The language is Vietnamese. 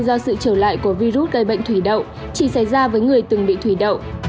bệnh zona thần kinh do sự trở lại của virus gây bệnh thủy đậu chỉ xảy ra với người từng bị thủy đậu